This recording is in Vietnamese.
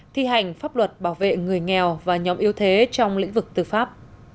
thi hành pháp luật bảo vệ người nghèo và nhóm yếu thế trong lĩnh vực tư pháp